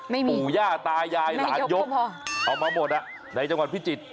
ปู่ย่าตายายหลานยกเอามาหมดในจังหวัดพิจิตร